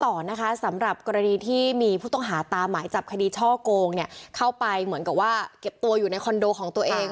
ต่อนะคะสำหรับกรณีที่มีผู้ต้องหาตามหมายจับคดีช่อโกงเนี่ยเข้าไปเหมือนกับว่าเก็บตัวอยู่ในคอนโดของตัวเอง